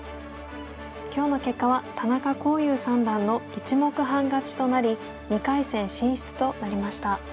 今日の結果は田中康湧三段の１目半勝ちとなり２回戦進出となりました。